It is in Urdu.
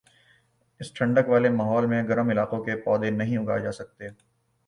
اس ٹھنڈک والے ماحول میں گرم علاقوں کے پودے نہیں اگائے جاسکتے